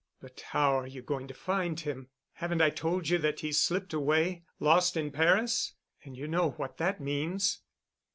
"But how are you going to find him? Haven't I told you that he's slipped away—lost in Paris? And you know what that means."